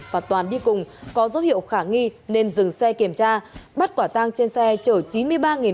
và toàn đi cùng có dấu hiệu khả nghi nên dừng xe kiểm tra bắt quả tăng trên xe